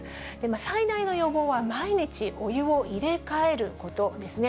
最大の予防は、毎日お湯を入れ替えることですね。